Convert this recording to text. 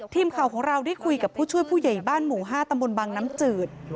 ทีมข่าวของเราได้คุยกับผู้ช่วยผู้ใหญ่บ้านหมู่๕ตำบลบังน้ำจืด